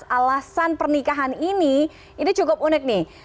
alasan pernikahan ini ini cukup unik nih